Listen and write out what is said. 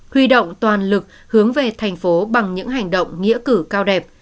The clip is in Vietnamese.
huy động toàn lực hướng về thành phố bằng những hành động nghĩa cử cao đẹp